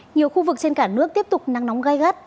nhiều khu vực trên cả nước tiếp tục nắng nóng gai gắt